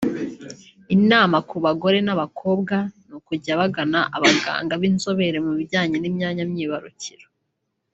Inama ku bagore n’abakobwa ni ukujya bagana abaganga b’inzobere mu bijyanye n’imyanya myibarukiro